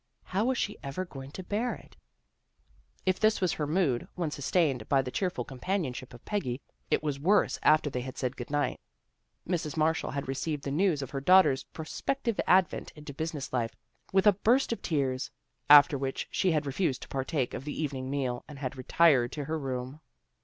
How was she ever going to bear it? If this was her mood, when sustained by the cheerful companionship of Peggy, it was worse after they had said good night. Mrs. Marshall had received the news of her daughter's pro spective advent into business life with a burst of tears, after which she had refused to partake of the evening meal and had retired to her room.